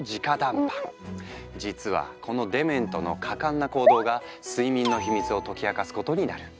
実はこのデメントの果敢な行動が睡眠のヒミツを解き明かすことになる。